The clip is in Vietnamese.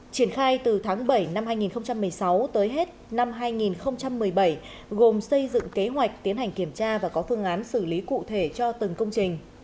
triển khai từ tháng bảy năm hai nghìn một mươi sáu tới hết năm hai nghìn một mươi bảy gồm xây dựng kế hoạch tiến hành kiểm tra và có phương án xử lý cụ thể cho từng công trình